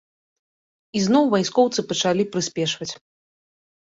І зноў вайскоўцы пачалі прыспешваць.